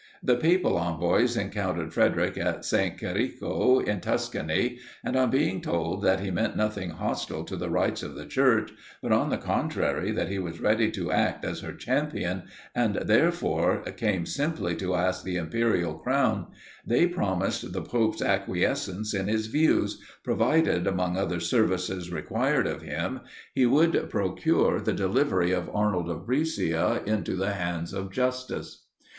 The papal envoys encountered Frederic at St. Quirico, in Tuscany; and, on being told that he meant nothing hostile to the rights of the Church, but, on the contrary, that he was ready to act as her champion, and, therefore, came simply to ask the imperial crown, they promised the pope's acquiescence in his views, provided, among other services required of him, he would procure the delivery of Arnold of Brescia into the hands of justice.